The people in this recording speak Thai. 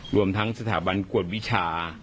รวมทั้งสถาบันกวดวิชา